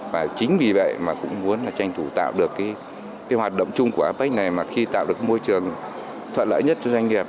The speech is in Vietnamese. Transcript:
và chính vì vậy mà cũng muốn là tranh thủ tạo được cái hoạt động chung của apec này mà khi tạo được môi trường thuận lợi nhất cho doanh nghiệp